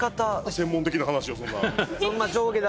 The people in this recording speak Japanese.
専門的な話をそんな。